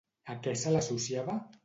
A què se l'associava?